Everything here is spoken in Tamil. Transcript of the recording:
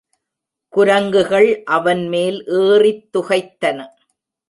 குரங்குகள் அவன்மேல் ஏறித் துகைத்தன.